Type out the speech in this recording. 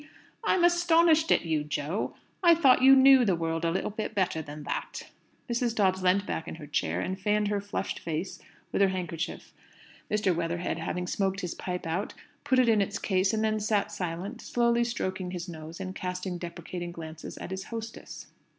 I'm astonished at you, Jo! I thought you knew the world a little bit better than that." Mrs. Dobbs leant back in her chair, and fanned her flushed face with her handkerchief. Mr. Weatherhead, having smoked his pipe out, put it in its case, and then sat silent, slowly stroking his nose, and casting deprecating glances at his hostess.